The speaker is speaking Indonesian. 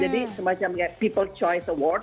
jadi semacam kayak people choice award